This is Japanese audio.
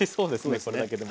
これだけでも。